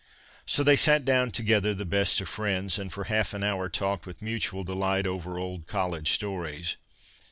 So they sat down together the best of friends, and for half an hour talked with mutual delight over old college stories.